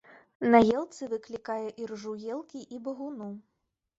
На елцы выклікае іржу елкі і багуну.